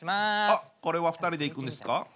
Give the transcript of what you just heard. あっこれは２人でいくんですか？